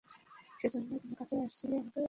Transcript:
সেইজন্যই তোমার কাছে আসিয়াছি, আমাকে আশ্রয় দাও।